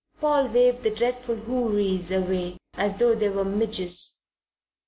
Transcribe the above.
Paul waved the dreaded houris away as though they were midges.